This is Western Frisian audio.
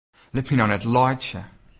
Lit my no net laitsje!